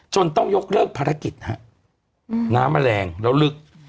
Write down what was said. ต้องยกเลิกภารกิจฮะน้ำแมลงแล้วลึก